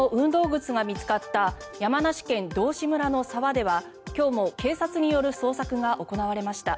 靴が見つかった山梨県道志村の沢では今日も警察による捜索が行われました。